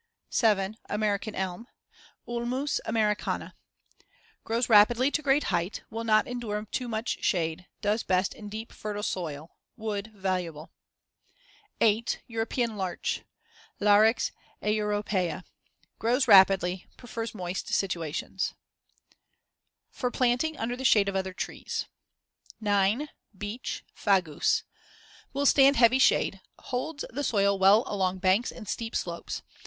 7. American elm (Ulmus americana) Grows rapidly to great height; will not endure too much shade; does best in a deep fertile soil. Wood valuable. 8. European larch (Larix europaea) Grows rapidly; prefers moist situations. [Illustration: FIG. 94. Woodland Trees. Red Oaks.] FOR PLANTING UNDER THE SHADE OF OTHER TREES 9. Beech (Fagus) Will stand heavy shade; holds the soil well along banks and steep slopes.